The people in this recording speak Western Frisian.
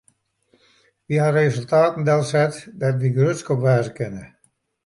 Wy hawwe resultaten delset dêr't wy grutsk op wêze kinne.